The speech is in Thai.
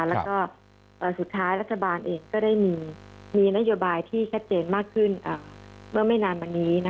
แล้วก็สุดท้ายรัฐบาลเองก็ได้มีนโยบายที่ชัดเจนมากขึ้นเมื่อไม่นานมานี้